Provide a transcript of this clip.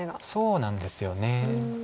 そうなんですよね。